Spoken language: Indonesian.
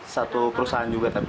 satu perusahaan juga tapi